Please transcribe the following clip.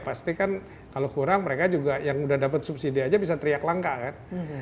pasti kan kalau kurang mereka juga yang udah dapat subsidi aja bisa teriak langka kan